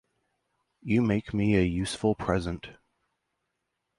You make me a useful present.